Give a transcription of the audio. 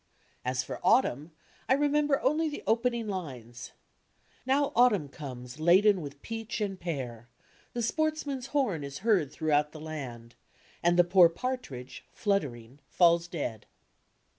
As for "Autumn," I remember only the opening lines: "Now autumn comes, laden with peach and pear; The sportsman's horn is heard throughout the land, And the poor partridge, fluttering, falls dead."